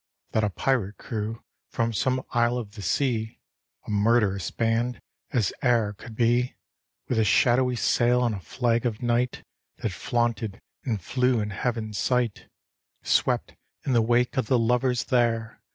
That a pirate crew from some isle of the sea, A murderous band as e'er could be. With a shadowy sail, and a flag of night. That flaunted and flew in heaven's sight, Swept in the wake of the lovers there.